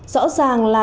rõ ràng là